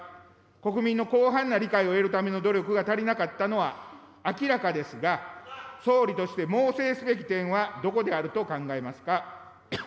国民の広範な理解を得るための努力が足りなかったのは明らかですが、総理として猛省すべき点はどこであると考えますか。